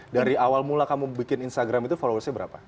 dari awal mula kamu bikin instagram itu followersnya berapa